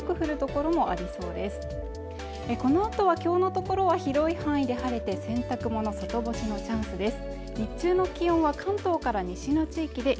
このあとは今日のところは広い範囲で晴れて洗濯物、外干しのチャンスです